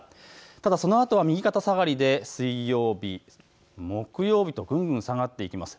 ただそのあとは右肩下がりで水曜日、木曜日とぐんぐん下がっていきます。